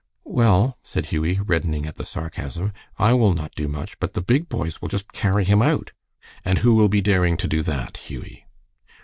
"Well," said Hughie, reddening at the sarcasm, "I will not do much, but the big boys will just carry him out." "And who will be daring to do that, Hughie?"